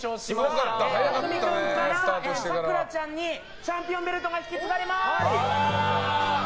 たくみ君から、さくらちゃんにチャンピオンベルトが引き継がれます。